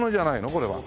これは。